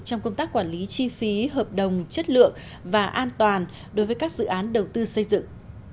trong công tác quản lý chi phí hợp đồng chất lượng và an toàn đối với các dự án đầu tư xây dựng